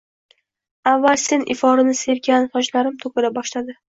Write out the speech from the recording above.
Avval sen iforini sevgan sochlarim to’kila boshladi.